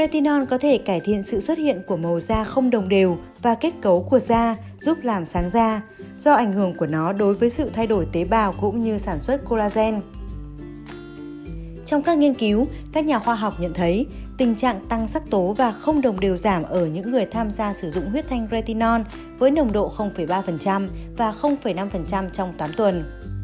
trong một nghiên cứu các nhà khoa học nhận thấy tình trạng tăng sắc tố và không đồng đều giảm ở những người tham gia sử dụng huyết thanh retinol với nồng độ ba và năm trong tám tuần